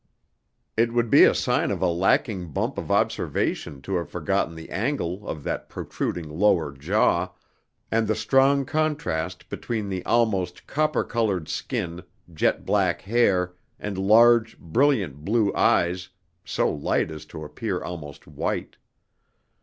It would be a sign of a lacking bump of observation to have forgotten the angle of that protruding lower jaw, and the strong contrast between the almost copper coloured skin, jet black hair, and large, brilliant blue eyes so light as to appear almost white.